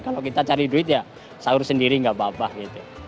kalau kita cari duit ya sahur sendiri nggak apa apa gitu